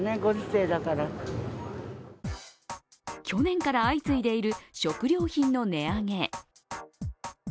去年から相次いでいる食料品の値上げ。